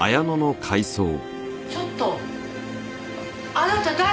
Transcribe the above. ちょっとあなた誰？